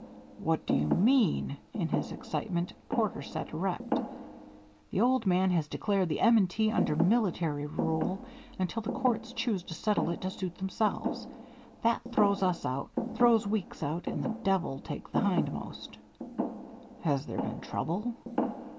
"What do you mean?" In his excitement Porter sat erect. "The Old Man has declared the M. & T. under military rule until the courts choose to settle it to suit themselves. That throws us out, throws Weeks out, and the devil take the hindmost." "Has there been trouble?"